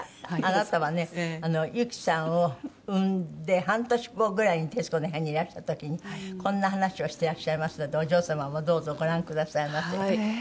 あなたはね幸さんを産んで半年後ぐらいに『徹子の部屋』にいらした時にこんな話をしてらっしゃいますのでお嬢様もどうぞご覧くださいませ。